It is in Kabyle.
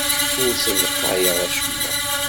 Ur ssalqayeɣ acemma.